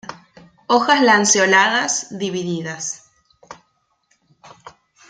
Hojas lanceoladas, divididas.